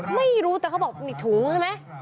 ไม่รู้แต่เขาบอกนี่ถุงใช่ไหม